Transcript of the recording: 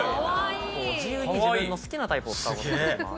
自由に自分の好きなタイプを使うことができます。